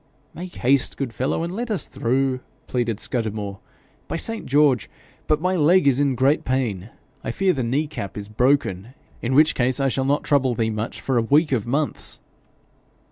'Make haste, my good fellow, and let us through,' pleaded Scudamore. 'By Saint George! but my leg is in great pain. I fear the knee cap is broken, in which case I shall not trouble thee much for a week of months.'